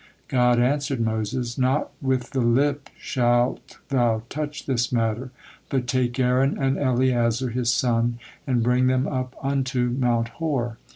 '" God answered Moses: "Not with the lip shalt thou touch this matter, but 'take Aaron and Eleazar his son, and bring them up unto Mount Hor.'